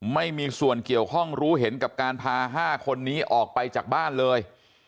ไม่มีส่วนเกี่ยวข้องรู้เห็นกับการพา๕คนนี้ออกไปจากบ้านเลย